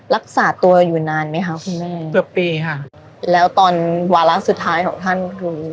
รักษาตัวอยู่นานไหมคะคุณแม่เกือบปีค่ะแล้วตอนวาระสุดท้ายของท่านคือ